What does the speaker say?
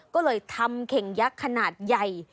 ก็เลยทำเข่งยักษ์ขนาดใหญ่